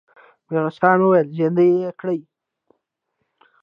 ميرويس خان وويل: زندۍ يې کړئ!